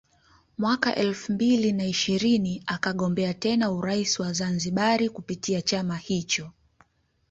Mwaka elfu mbili na ishirini akagombea tena urais wa Zanzibari kupitia chama hicho